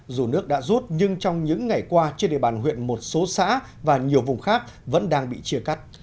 dù nước đã rút nhưng trong những ngày qua trên địa bàn huyện một số xã và nhiều vùng khác vẫn đang bị chia cắt